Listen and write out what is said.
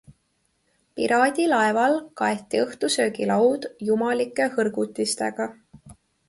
Piraadilaeval kaeti õhtusöögilaud jumalike hõrgutistega.